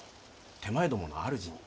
手前どもの主に。